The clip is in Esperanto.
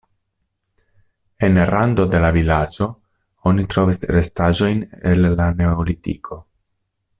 En rando de la vilaĝo oni trovis restaĵojn el la neolitiko.